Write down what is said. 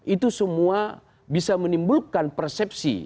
itu semua bisa menimbulkan persepsi